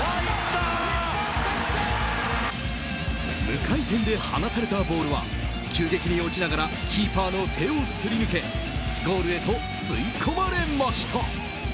無回転で放たれたボールは急激に落ちながらキーパーの手をすり抜けゴールへと吸い込まれました。